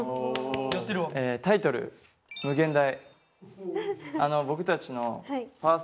タイトル「無限大」。